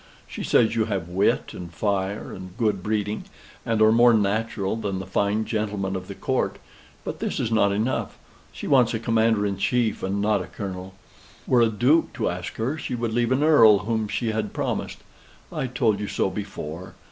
She says you have wit, and fire, and good breeding, and are more natural than the fine gentlemen of the Court. But this is not enough. She wants a commander in chief, and not a colonel. Were a duke to ask her, she would leave an earl whom she had promised. I told you so before.